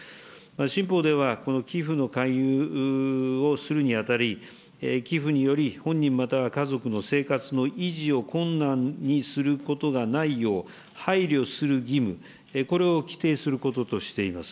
新法ではこの寄付の勧誘をするにあたり、寄付により本人または家族の生活の維持を困難にすることがないよう、配慮する義務、これを規定することとしています。